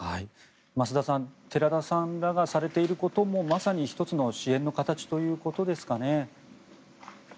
増田さん寺田さんらがされていることもまさに１つの支援の形ということですかね。